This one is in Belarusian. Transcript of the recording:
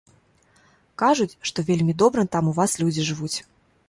Кажуць, што вельмі добра там у вас людзі жывуць.